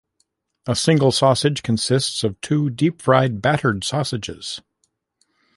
A single sausage consists of two deep fried battered sausages.